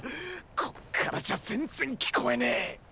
こっからじゃ全然聞こえねェ！